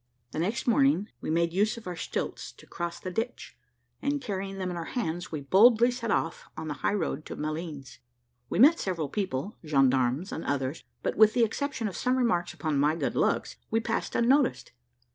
The next morning we made use of our stilts to cross the ditch, and carrying them in our hands we boldly set off on the high road to Malines. We met several people, gendarmes, and others, but with the exception of some remarks upon my good looks we passed unnoticed.